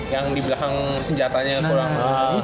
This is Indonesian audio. yang di belakang senjatanya kurang